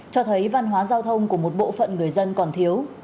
cho thấy văn hóa giao thông của một bộ phận người dân còn thiếu